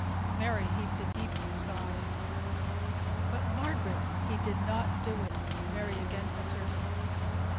Mary heaved a deep sigh. "But, Margaret, he did not do it," Mary again asserted.